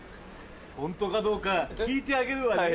ホントかどうか聞いてあげるわね。